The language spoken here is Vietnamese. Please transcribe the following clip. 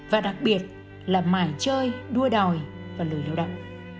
và đặc biệt là mãi chơi đua đòi và lừa lao đọc